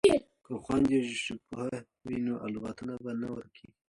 که خویندې ژبپوهې وي نو لغاتونه به نه ورکیږي.